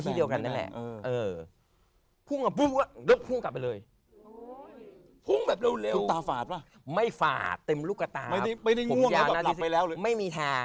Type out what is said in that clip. ผมอยู่โรงแรมนี้ยังอยู่ไหม